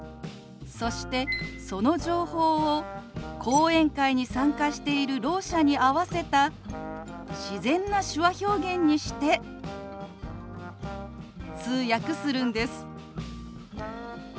そしてその情報を講演会に参加しているろう者に合わせた自然な手話表現にして通訳するんです。